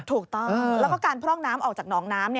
ถูกต้องแล้วก็การพร่องน้ำออกจากหนองน้ำ